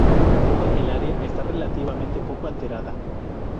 Toda el área está relativamente poco alterada.